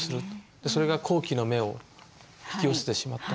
それが好奇の目を引き寄せてしまったり。